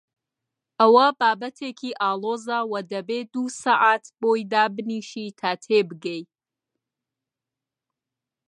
ئەوە بابەتێکی ئاڵۆزە و دەبێ دوو سەعات بۆی دابنیشی تا تێی بگەی.